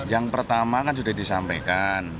yang pertama kan sudah disampaikan